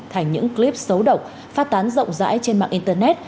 thành những clip xấu độc phát tán rộng rãi trên mạng internet